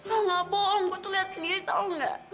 enggak bohong gue tuh liat sendiri tau nggak